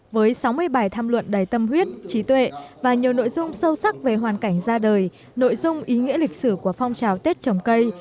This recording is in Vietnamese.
với sáu mươi bài tham luận đầy tâm huyết trí tuệ và nhiều nội dung sâu sắc về hoàn cảnh ra đời nội dung ý nghĩa lịch sử của phong trào tết trồng cây